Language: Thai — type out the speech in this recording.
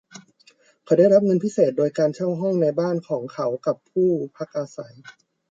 เขาได้รับเงินพิเศษโดยการเช่าห้องในบ้านของเขากับผู้พักอาศัย